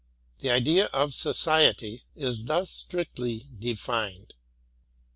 The idea of Society is thus strictly defined.